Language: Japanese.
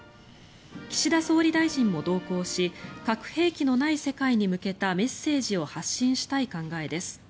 岸田総理大臣も同行し核兵器のない世界に向けたメッセージを発信したい考えです。